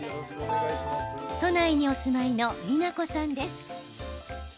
都内にお住まいの美奈子さんです。